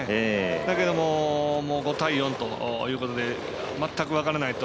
だけども５対４ということで全く分からないと。